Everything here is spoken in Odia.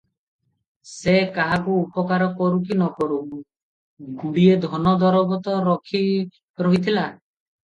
ସେ କାହାକୁ ଉପକାର କରୁ କି ନ କରୁ, ଗୁଡ଼ିଏ ଧନ ଦରବ ତ ରଖି ରହିଥିଲା ।